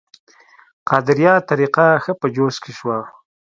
قادریه طریقه ښه په جوش کې شوه.